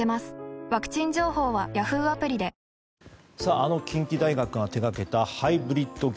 あの近畿大学が手掛けたハイブリッド魚。